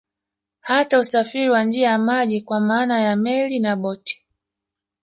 Hata usafiri wa njia ya maji kwa maana ya Meli na boti